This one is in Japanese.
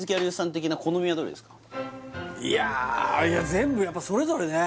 いや全部やっぱそれぞれね